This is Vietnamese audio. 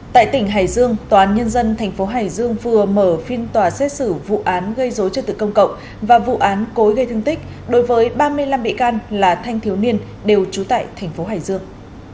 tại tỉnh hải dương tòa án nhân dân tp hải dương vừa mở phiên tòa xét xử vụ án gây dối cho tự công cộng và vụ án cối gây thương tích đối với ba mươi năm bệ can là thanh thiếu niên đều trú tại tp hải dương